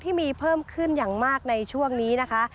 ที่มีเพิ่มขึ้นอย่างมากในช่วงนี้นะคะ